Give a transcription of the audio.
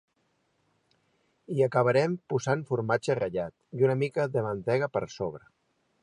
Hi acabarem posant formatge ratllat i una mica de mantega per sobre.